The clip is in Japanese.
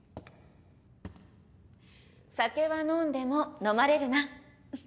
酒は飲んでも飲まれるな。